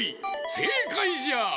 せいかいじゃ！